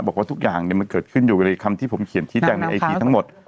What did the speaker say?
บอกว่าทุกอย่างมันเกิดขึ้นอยู่ในคำที่ผมเขียนชี้แจงในไอจีทั้งหมด